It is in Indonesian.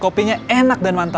kopinya enak dan mantap